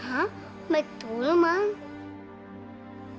hah baitul ma'am